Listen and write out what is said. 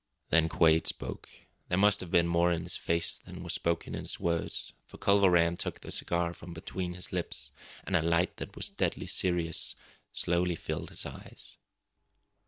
Then Quade spoke. There must have been more in his face than was spoken in his words, for Culver Rann took the cigar from between his lips, and a light that was deadly serious slowly filled his eyes.